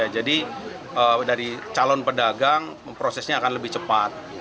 jadi dari calon pedagang prosesnya akan lebih cepat